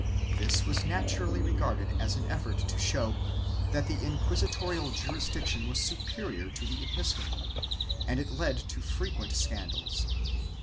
This was naturally regarded as an effort to show that the inquisitorial jurisdiction was superior to 360 SUPEREMINENCE [BOOK II the episcopal and it led to frequent scandals.